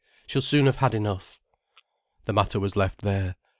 She'll soon have had enough." The matter was left there.